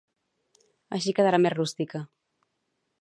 Així quedarà més rústica